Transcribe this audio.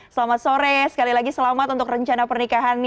selamat sore sekali lagi selamat untuk rencana pernikahannya